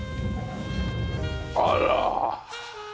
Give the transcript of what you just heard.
あら。